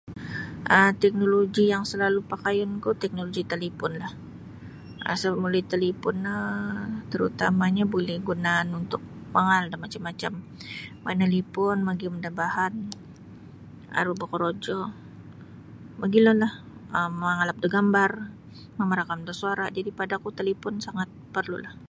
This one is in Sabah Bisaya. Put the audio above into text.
um Teknoloji yang salalu pakayunku teknoloji taliponlah um sa melalui talipon no tarutamanyo buli gunaan untuk mangaal da macam-macam manalipon magiyum da bahan aru bokorojo mogilolah um mangalap da gambar mamarakam da suara' jadi padaku talipon sangat perlulah.